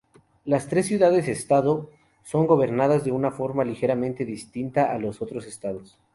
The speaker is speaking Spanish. Las tres ciudades-estado son gobernadas de una forma ligeramente distinta a los otros estados.